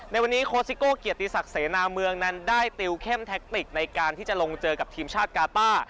ในวันนี้โคสิโก้เกียรติศักดิ์เสนาเมืองนั้นได้ติวเข้มแท็กติกในการที่จะลงเจอกับทีมชาติกาต้า